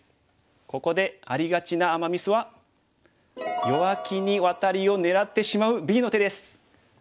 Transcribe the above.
ここでありがちなアマ・ミスは弱気にワタリを狙ってしまうＢの手です。